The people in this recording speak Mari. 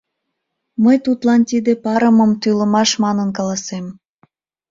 — Мый тудлан тиде парымым тӱлымаш манын каласем.